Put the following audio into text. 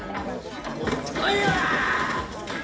こっち来いや！